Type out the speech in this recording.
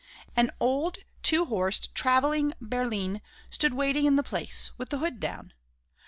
An old two horsed travelling berline stood waiting in the Place, with the hood down.